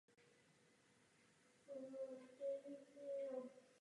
Předtím hrál dva roky v pražské Spartě.